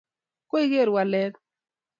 koigeer walet?